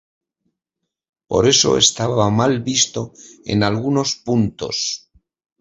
Por eso estaba mal visto en algunos puntos.